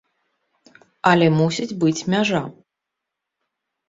Але мусіць быць мяжа.